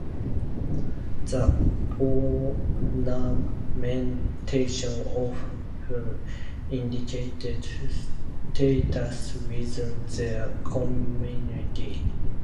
The ornamentation often indicated status within their community.